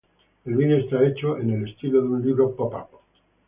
El vídeo está hecho en el estilo de un libro Pop-Up.